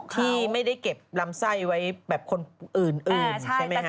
ที่ไม่ได้เก็บลำไส้ไว้แบบคนอื่นใช่ไหมฮะ